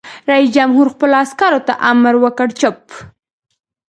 رئیس جمهور خپلو عسکرو ته امر وکړ؛ چپ!